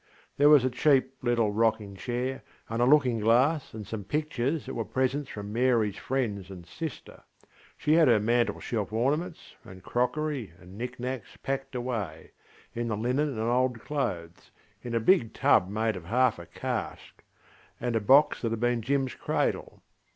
There was a cheap little rocking chair, and a looking glass and some pictures that were presents from MaryŌĆÖs friends and sister. She had her mantel shelf ornaments and crockery and nick nacks packed away, in the linen and old clothes, in a big tub made of half a cask, and a box that had been JimŌĆÖs cradle.